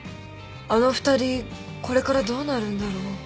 あの２人これからどうなるんだろう？